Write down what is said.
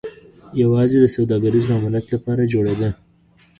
یوازې د سوداګریز ماموریت لپاره جوړېده